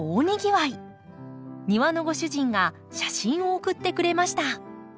庭のご主人が写真を送ってくれました。